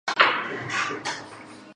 影响所及市售淀粉类食材。